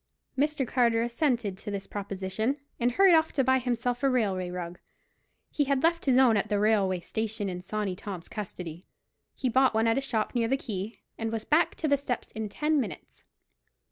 Mr. Carter assented to this proposition, and hurried off to buy himself a railway rug; he had left his own at the railway station in Sawney Tom's custody. He bought one at a shop near the quay, and was back to the steps in ten minutes.